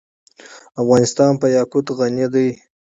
افغانستان په یاقوت غني دی.